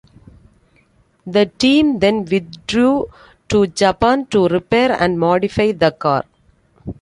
The team then withdrew to Japan to repair and modify the car.